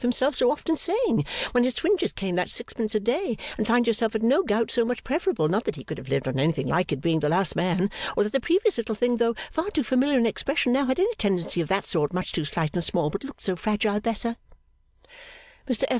himself so often saying when his twinges came that sixpence a day and find yourself and no gout so much preferable, not that he could have lived on anything like it being the last man or that the previous little thing though far too familiar an expression now had any tendency of that sort much too slight and small but looked so fragile bless her?' Mr F.